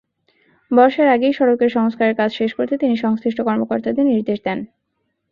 বর্ষার আগেই সড়কের সংস্কারের কাজ শেষ করতে তিনি সংশ্লিষ্ট কর্মকর্তাদের নির্দেশ দেন।